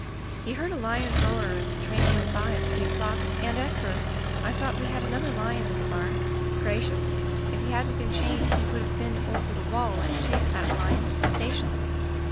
He heard a lion roar as the train went by at three o'clock, and, at first, I thought we had another lion in the barn. Gracious! If he hadn't been chained he would have been over the wall and chased that lion to the station.